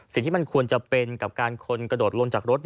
สิ่งที่มันควรจะเป็นกับการคนกระโดดลงจากรถ